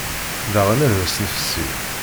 Daɣen ad as-nefsi.